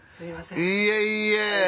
いえいえ。